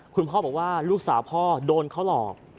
คุณพ่อบอกว่าลูกสาวพ่อโดนเขาหลอก